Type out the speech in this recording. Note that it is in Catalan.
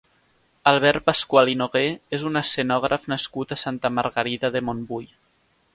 Albert Pascual i Nogué és un escenògraf nascut a Santa Margarida de Montbui.